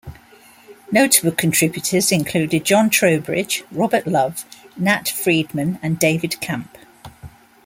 Notable contributors included Jon Trowbridge, Robert Love, Nat Friedman and David Camp.